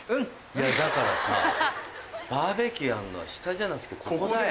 いやだからさバーベキューやんのは下じゃなくてここだよ。